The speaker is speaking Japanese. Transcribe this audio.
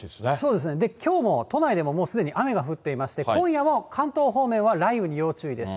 で、きょうも都内でももうすでに雨が降っていまして、今夜も関東方面は雷雨に要注意です。